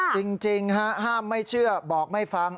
จริงฮะห้ามไม่เชื่อบอกไม่ฟัง